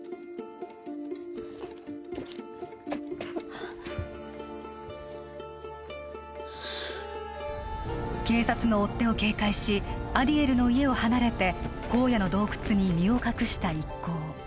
あっ警察の追っ手を警戒しアディエルの家を離れて荒野の洞窟に身を隠した一行